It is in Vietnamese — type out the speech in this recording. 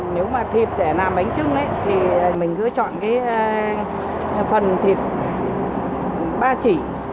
nếu mà thịt để làm bánh trưng ấy thì mình cứ chọn cái phần thịt ba chỉ